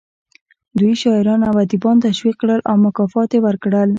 دوی شاعران او ادیبان تشویق کړل او مکافات یې ورکړل